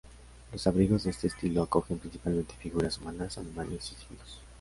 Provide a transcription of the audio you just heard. Los abrigos de este estilo acogen principalmente figuras humanas, animales y signos.